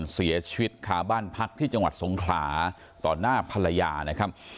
เสียชีวิตคาบ้านพักที่จังหวัดสงขลาต่อหน้าภรรยานะครับ